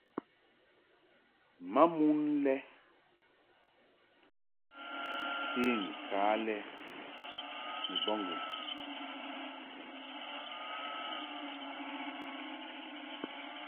Ma mon le ken ka lɛ ni bɔbŋgɨŋ.